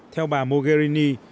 theo bà mogherini